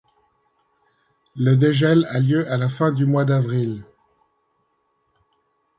Le dégel a lieu à la fin du mois d'avril.